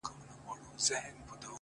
شراب لس خُمه راکړه ـ غم په سېلاب راکه ـ